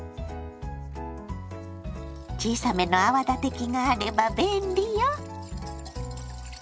小さめの泡立て器があれば便利よ。